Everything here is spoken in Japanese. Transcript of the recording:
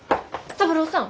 三郎さん